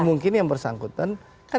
mungkin yang bersangkutan